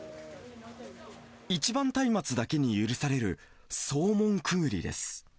一番松明だけに許される惣門くぐりです。